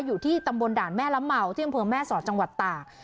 อยู่ที่ตำบลด่านแม่ล้ำเหมาที่บริเวณแม่ศอสตร์จังหวัดต่าง